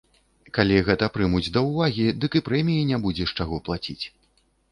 Калі гэта прымуць да ўвагі, дык і прэміі не будзе з чаго плаціць.